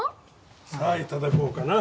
さあいただこうかな。